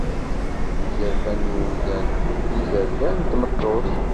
Izerfan n umdan d yizerfan n tmeṭṭut.